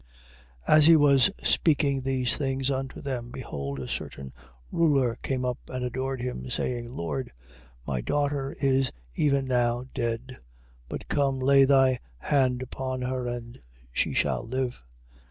9:18. As he was speaking these things unto them, behold a certain ruler came up, and adored him, saying: Lord, my daughter is even now dead; but come, lay thy hand upon her, and she shall live.